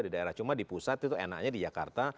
di daerah cuma di pusat itu enaknya di jakarta